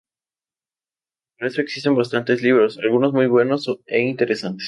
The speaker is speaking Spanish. Para eso existen bastantes libros, algunos muy buenos e interesantes".